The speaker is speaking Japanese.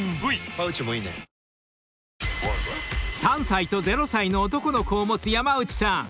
［３歳と０歳の男の子を持つ山内さん］